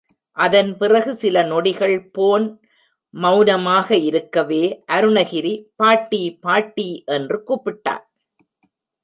அதன் பிறகு சில நொடிகள் போன் மவுனமாக இருக்கவே, அருணகிரி, பாட்டி... பாட்டி... என்று கூப்பிட்டான்.